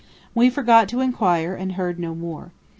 We forgot to inquire, and heard no more.